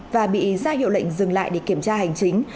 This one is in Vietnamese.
và bị ra hiệu lệnh dừng lại để kiểm tra hành chính